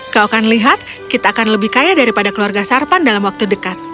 kau akan lihat kita akan lebih kaya daripada keluarga sarpan dalam waktu dekat